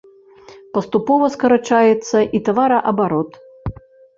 Паступова скарачаецца і тавараабарот.